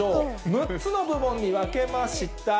６つの部門に分けました。